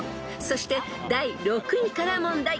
［そして第６位から問題］